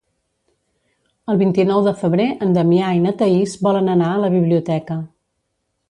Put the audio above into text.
El vint-i-nou de febrer en Damià i na Thaís volen anar a la biblioteca.